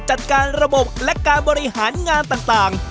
จัดการระบบและการบริหารงานต่าง